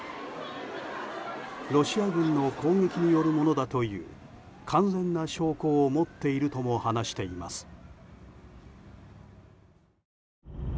ロシア軍の攻撃によるものだという完全な証拠を持っているとも話しています。